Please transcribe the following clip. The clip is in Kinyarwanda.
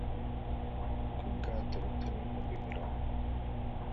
ku bwato buto n' ibihumbi mirongo